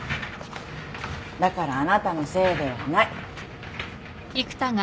だからあなたのせいではない。